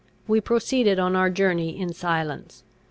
We proceeded on our journey in silence.